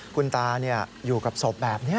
คุณตาอยู่กับศพแบบนี้